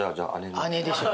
姉でしょ。